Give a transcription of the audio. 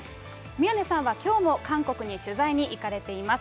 宮根さんはきょうも韓国に取材に行かれています。